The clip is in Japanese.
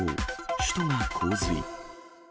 首都が洪水。